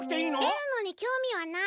でるのにきょうみはない。